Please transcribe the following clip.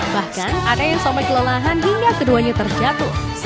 bahkan ada yang sampai kelelahan hingga keduanya terjatuh